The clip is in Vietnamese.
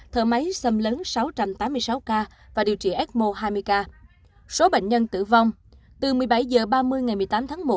thở máy xâm lớn sáu trăm tám mươi sáu ca và điều trị ecmo hai mươi ca số bệnh nhân tử vong từ một mươi bảy h ba mươi ngày một mươi tám tháng một